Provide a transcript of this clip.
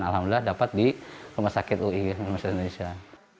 alhamdulillah dapat di rumah sakit ui rumah sakit indonesia